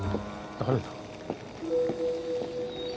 誰だ？